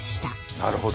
なるほど。